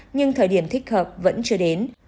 nhưng thời điểm thích hợp vẫn chưa đến